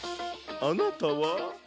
あなたは？